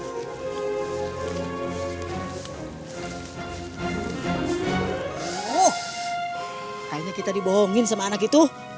oh kayaknya kita dibohongin sama anak itu